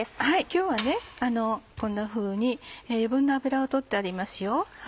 今日はこんなふうに余分な脂を取ってありますよ。